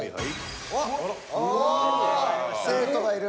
おお生徒がいる。